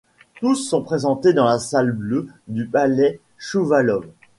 Tous sont présentés dans la Salle Bleue du palais Chouvalov.